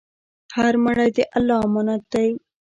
هر مړی د الله امانت دی.